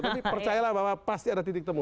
tapi percayalah bahwa pasti ada titik temu